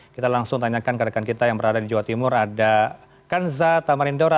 kita langsung tanyakan ke rekan kita yang berada di jawa timur ada kanza tamarindora